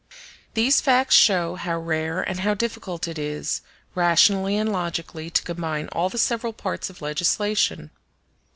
]] These facts show how rare and how difficult it is rationally and logically to combine all the several parts of legislation.